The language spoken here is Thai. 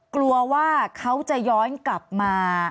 กลัวว่าเขาจะย้อนกลับมา